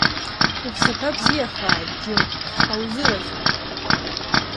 Уԥсаҭа бзиахааит, џьым, ҳаузыразуп!